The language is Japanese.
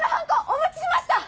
お持ちしました！